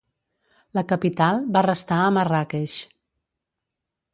La capital va restar a Marràqueix.